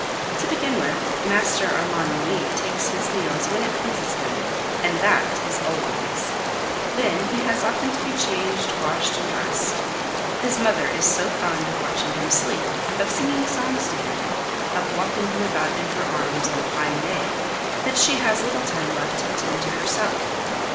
To begin with, Master Armand Louis takes his meals when it pleases him, and that is always; then he has often to be changed, washed, and dressed. His mother is so fond of watching him sleep, of singing songs to him, of walking him about in her arms on a fine day, that she has little time left to attend to herself.